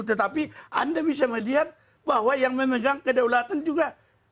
tetapi anda bisa melihat bahwa yang memegang kedaulatan juga